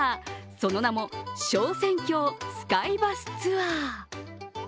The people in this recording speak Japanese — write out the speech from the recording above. その名も、昇仙峡スカイバスツアー